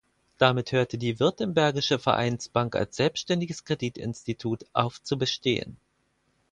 Damit hörte die Württembergische Vereinsbank als selbständiges Kreditinstitut auf zu bestehen.